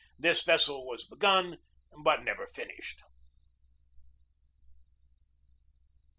This vessel was begun, but never finished.